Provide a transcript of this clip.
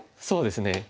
そうですね。